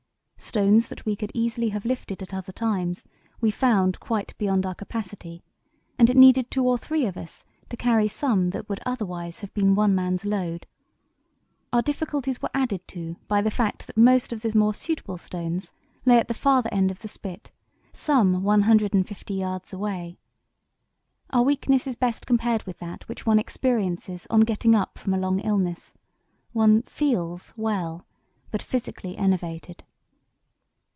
Stones that we could easily have lifted at other times we found quite beyond our capacity, and it needed two or three of us to carry some that would otherwise have been one man's load. Our difficulties were added to by the fact that most of the more suitable stones lay at the farther end of the spit, some one hundred and fifty yards away. Our weakness is best compared with that which one experiences on getting up from a long illness; one 'feels' well, but physically enervated.